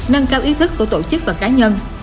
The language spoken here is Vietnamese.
nâng cao ý thức của tổ chức và cá nhân